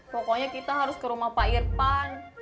pokoknya kita harus ke rumah pak irfan